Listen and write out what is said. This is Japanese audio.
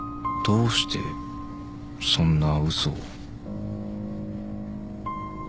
どうしてそんな嘘を。